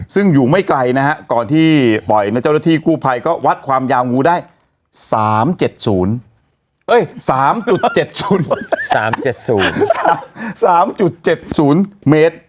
ซึ่งอยู่ไม่ไกลนะครับก่อนที่ปล่อยที่กูภัยก็วัดความยาวงูได้๓๗๐เมตร